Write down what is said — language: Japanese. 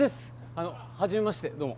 あのはじめましてどうも。